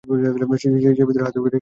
সে ভিতরে হাত ঢুকিয়ে কি যেন তালাশ করে।